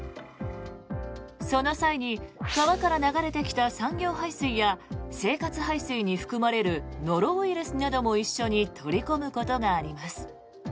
その際に川から流れてきた産業排水や生活排水に含まれるノロウイルスなども一緒に取り込むことがあります。